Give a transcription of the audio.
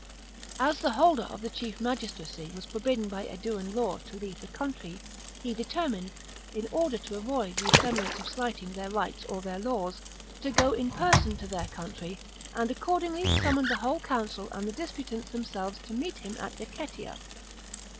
As the holder of the chief magis tracy was forbidden by Aeduan law to leave the country, he determined, in order to avoid the semblance of slighting their rights or their laws, to go in person to their country, and accordingly summoned the whole council and the disputants [Dicize.] themselves to meet him at Decetia.